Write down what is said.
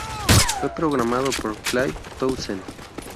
Fue programado por Clive Townsend.